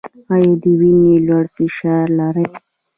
ایا د وینې لوړ فشار لرئ؟